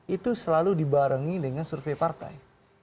itu selalu dibarengi dengan survei partai